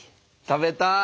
食べたい。